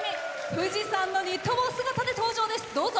富士山のニット帽姿で登場です。